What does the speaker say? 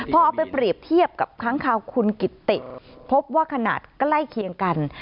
พอเอาไปเปรียบเทียบกับค้างคาวคุณกิตติพบว่าขนาดใกล้เคียงกัน